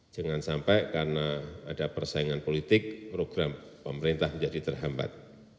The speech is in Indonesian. jangan sampai karena ada persaingan politik program pemerintah menjadi terhambat